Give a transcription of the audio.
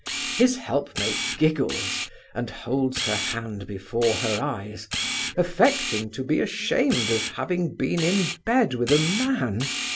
His helpmate giggles, and holds her hand before her eyes, affecting to be ashamed of having been in bed with a man.